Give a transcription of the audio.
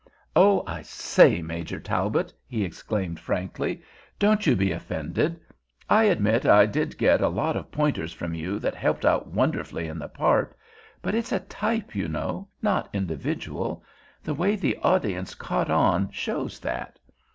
Oh, I say, Major Talbot," he exclaimed frankly, "don't you be offended. I admit I did get a lot of pointers from you that helped out wonderfully in the part. But it's a type, you know—not individual. The way the audience caught on shows that.